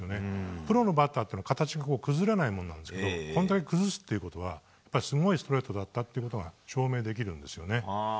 プロのバッターというのは形が崩れないんですけどこれだけ崩すというのはすごいストレートだったということが証明できるんですね。